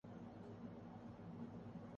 یہ کرن جوہر ہیں یا کوئی اور ہدایت کار خود حیران